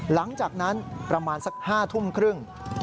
หลังจากนั้นประมาณสัก๕ทุ่มครึ่ง